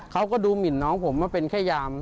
เขาก็ดูหมินน้องผมว่าเป็นแค่ยาม